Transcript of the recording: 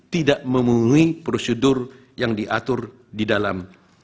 tidak memenuhi prosedur yang diatur di dalam